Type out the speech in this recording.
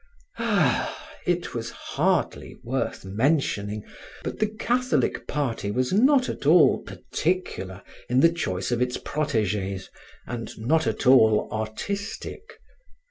Ah! it was hardly worth mentioning, but the Catholic party was not at all particular in the choice of its proteges and not at all artistic.